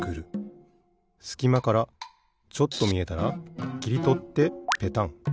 すきまからちょっとみえたらきりとってペタン。